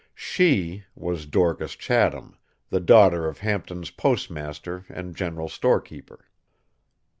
"She" was Dorcas Chatham, the daughter of Hampton's postmaster and general storekeeper.